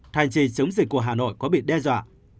thai trì chống dịch của hà nội có bị đe dọa